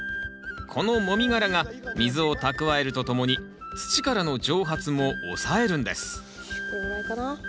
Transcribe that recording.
このもみ殻が水を蓄えるとともに土からの蒸発も抑えるんですこれぐらいかな？